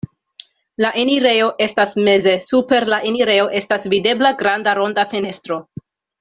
La enirejo estas meze, super la enirejo estas videbla granda ronda fenestro.